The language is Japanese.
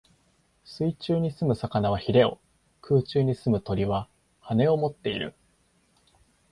水中に棲む魚は鰭を、空中に棲む鳥は翅をもっている。